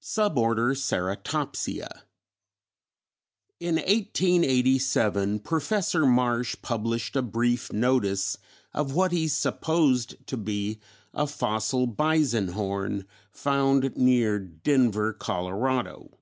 Sub Order Ceratopsia. In 1887 Professor Marsh published a brief notice of what he supposed to be a fossil bison horn found near Denver, Colorado.